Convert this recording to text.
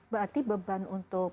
berarti beban untuk